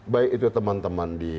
baik itu teman teman di